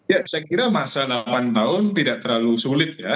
ya saya kira masa delapan tahun tidak terlalu sulit ya